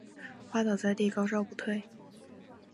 趴倒在地高烧不退